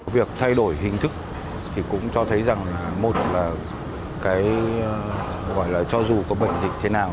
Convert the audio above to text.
việc thay đổi hình thức thì cũng cho thấy rằng một là cái gọi là cho dù có bệnh dịch thế nào